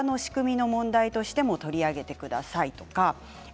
売る側の仕組みの問題としても取り上げてください。